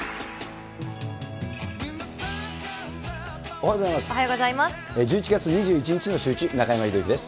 おはようございます。